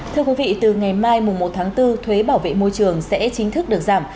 thưa quý vị từ ngày mai một tháng bốn thuế bảo vệ môi trường sẽ chính thức được giảm